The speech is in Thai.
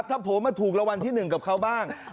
ถ้าผมมาถูกรวรรณที่หนึ่งกับเขาบ้าง